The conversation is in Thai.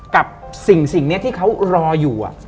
กับสิ่งนี้ที่เขารออยู่